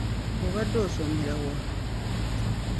Obadde osomera wa?